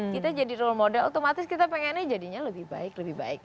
kita jadi role model otomatis kita pengennya jadinya lebih baik lebih baik